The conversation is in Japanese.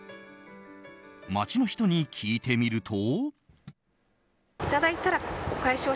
街の人に聞いてみると。